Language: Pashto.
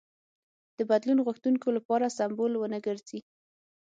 د بدلون غوښتونکو لپاره سمبول ونه ګرځي.